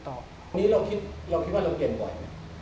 ตรงนี้เราคิดว่าเราเปลี่ยนบ่อยไหม